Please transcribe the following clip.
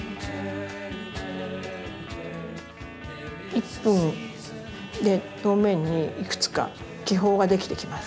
１分で表面にいくつか気泡ができてきます。